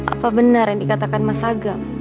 apa benar yang dikatakan mas agam